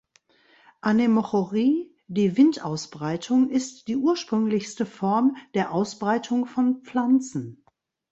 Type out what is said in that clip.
Anemochorie, die Windausbreitung ist die ursprünglichste Form der Ausbreitung von Pflanzen.